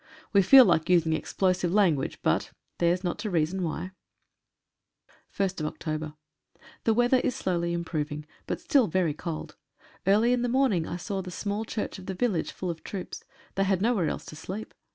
We feel like using explosive lan gauge, but "Their's not to reason why." 1st Oct.— The weather is slowly improving, but still very cold. Early in the morning I saw the small church of the village full of troops, they had nowhere else to sleep.